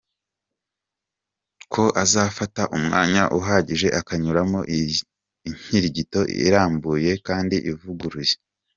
com ko azafata umwanya uhagije akanyuramo inkirigito irambuye kandi ivuguruye.